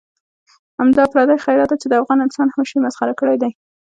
همدا پردی خیرات دی چې د افغان انسان هوش یې مسخره کړی دی.